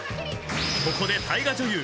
［ここで大河女優